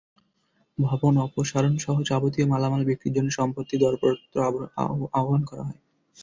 ভবন অপসারণসহ যাবতীয় মালামাল বিক্রির জন্য সম্প্রতি দরপত্র আহ্বান করা হয়।